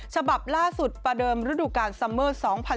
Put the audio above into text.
ฉบับล่าสุดประเดิมฤดูกาลซัมเมอร์๒๐๑๖